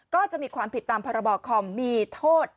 ก็จะมีความผิดตามพรบคอมมีโทษ